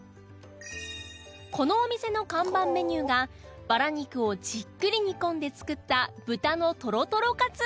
このお店の看板メニューがばら肉をじっくり煮込んで作った豚のトロとろかつ